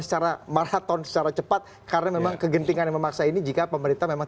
secara maraton secara cepat karena memang kegentingan yang memaksa ini jika pemerintah memang